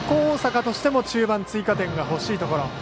大阪としても中盤、追加点が欲しいところ。